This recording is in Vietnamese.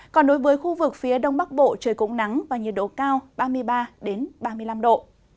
còn đối với khu vực phía đông bắc bộ trời cũng nắng và nhiệt độ cao ba mươi ba ba mươi năm độ